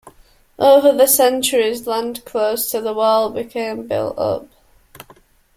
Over the centuries, land close to the Wall became built up.